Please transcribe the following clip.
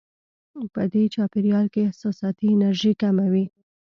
په دې چاپېریال کې احساساتي انرژي کمه وي.